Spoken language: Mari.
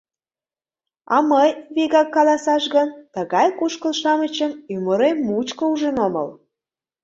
А мый, вигак каласаш гын, тыгай кушкыл-шамычым ӱмырем мучко ужын омыл.